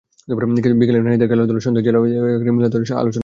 বিকেলে নারীদের খেলাধুলা, সন্ধ্যায় জেলা শিল্পকলা একাডেমি মিলনায়তনে আলোচনা সভা হয়।